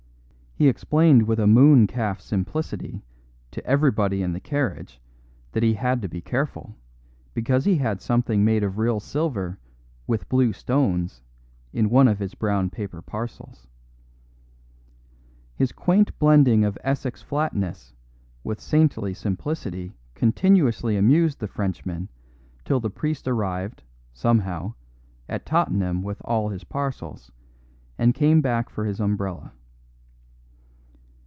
He explained with a moon calf simplicity to everybody in the carriage that he had to be careful, because he had something made of real silver "with blue stones" in one of his brown paper parcels. His quaint blending of Essex flatness with saintly simplicity continuously amused the Frenchman till the priest arrived (somehow) at Tottenham with all his parcels, and came back for his umbrella.